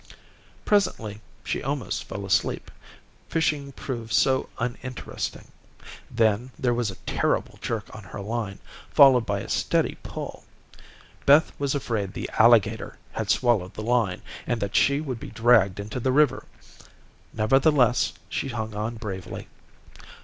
Presently, she almost feel asleep, fishing proved so uninteresting. Then there was a terrible jerk on her line, followed by a steady pull. Beth was afraid the alligator had swallowed the line, and that she would be dragged into the river. Nevertheless, she hung on bravely.